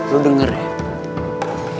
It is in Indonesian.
lo denger ya